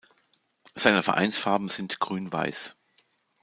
Seine Vereinsfarben sind grün-weiß.